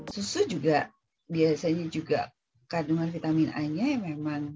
susu juga biasanya juga kandungan vitamin a nya yang memang